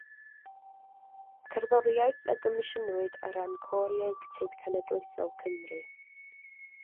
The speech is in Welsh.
Cerddoriaeth a gomisiynwyd ar ran Côr Ieuenctid Cenedlaethol Cymru.